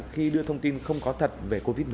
khi đưa thông tin không có thật về covid một mươi